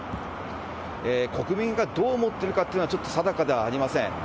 国民がどう思っているかというのは、ちょっと定かではありません。